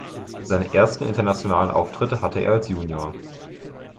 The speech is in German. Seine ersten internationalen Auftritte hatte er als Junior.